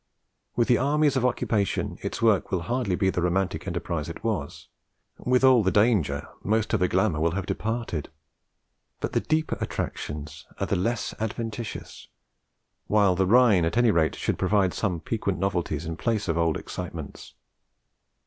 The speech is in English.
With the Armies of Occupation its work will hardly be the romantic enterprise it was; with all the danger, most of the glamour will have departed; but the deeper attractions are the less adventitious, while the Rhine at any rate should provide some piquant novelties in place of old excitements.